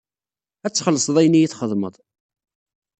Ad txellṣeḍ ayen i iyi-txedmeḍ.